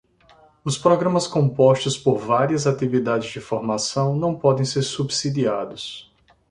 Os programas compostos por várias atividades de formação não podem ser subsidiados.